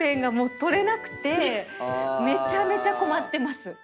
めちゃめちゃ困ってます。